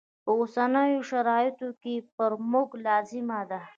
په اوسنیو شرایطو کې پر موږ لازمه ده.